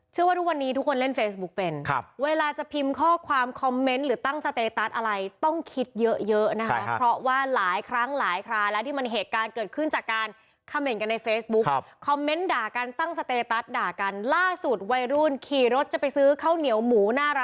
ว่าทุกวันนี้ทุกคนเล่นเฟซบุ๊กเป็นครับเวลาจะพิมพ์ข้อความคอมเมนต์หรือตั้งสเตตัสอะไรต้องคิดเยอะเยอะนะคะเพราะว่าหลายครั้งหลายคราแล้วที่มันเหตุการณ์เกิดขึ้นจากการคำเห็นกันในเฟซบุ๊คคอมเมนต์ด่ากันตั้งสเตตัสด่ากันล่าสุดวัยรุ่นขี่รถจะไปซื้อข้าวเหนียวหมูน่ารัก